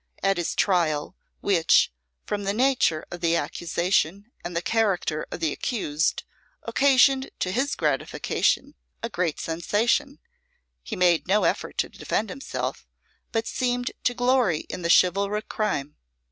At his trial, which, from the nature of the accusation and the character of the accused, occasioned to his gratification a great sensation, he made no effort to defend himself, but seemed to glory in the chivalric crime.